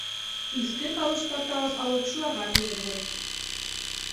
Иҫке калуштар табып алып шуларға кейҙерҙе.